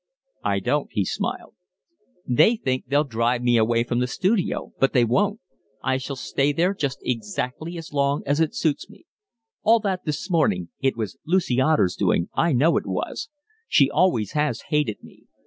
"I don't," he smiled. "They think they'll drive me away from the studio; but they won't; I shall stay there just exactly as long as it suits me. All that this morning, it was Lucy Otter's doing, I know it was. She always has hated me.